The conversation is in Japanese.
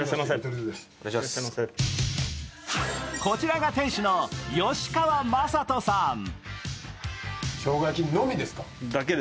こちらが店主の吉川雅人さん。